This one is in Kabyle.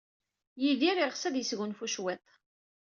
Yidir yeɣs ad yesgunfu cwiṭ.